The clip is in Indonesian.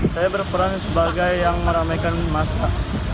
saya berperan sebagai yang meramaikan masa